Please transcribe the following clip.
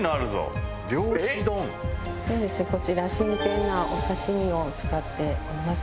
そうですねこちら新鮮なお刺し身を使っております。